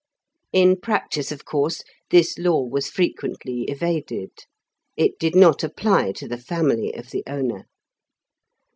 In practice, of course, this law was frequently evaded. It did not apply to the family of the owner.